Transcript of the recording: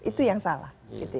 itu yang salah